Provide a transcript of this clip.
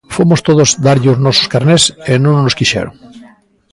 Fomos todos darlle os nosos carnés e non os quixeron.